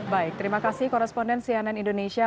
baik terima kasih koresponden cnn indonesia